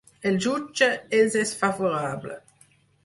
El jutge els és favorable.